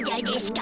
か